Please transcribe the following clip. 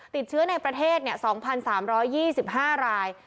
ติดเชื้อในประเทศ๒๓๒๕ราย